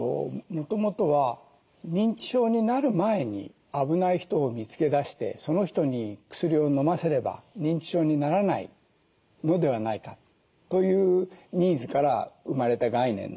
もともとは認知症になる前に危ない人を見つけ出してその人に薬を飲ませれば認知症にならないのではないかというニーズから生まれた概念なんです。